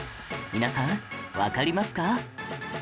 皆さんわかりますか？